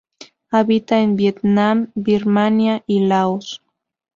Habita en Vietnam, Birmania y Laos.